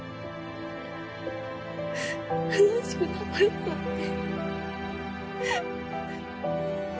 楽しくなかったって。